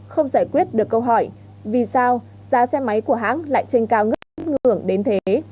không giải quyết được câu hỏi vì sao giá xe máy của hãng lại trên cao ngất ngửa đến thế